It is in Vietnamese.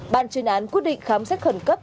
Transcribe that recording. ban chuyên án quyết định khám xét khẩn cấp